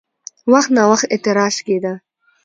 وخت ناوخت اعتراض کېده؛